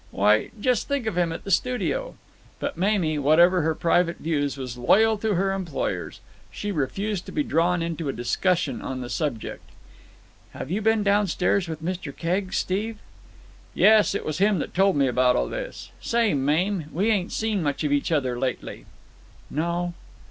Why, just think of him at the studio!" But Mamie, whatever her private views, was loyal to her employers. She refused to be drawn into a discussion on the subject. "Have you been downstairs with Mr. Keggs, Steve?" "Yes. It was him that told me about all this. Say, Mame, we ain't seen much of each other lately." "No."